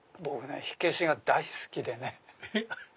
火消しが大好きでね。